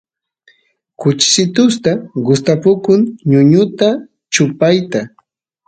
kuchisitusta gustapukun ñuñuta chupayta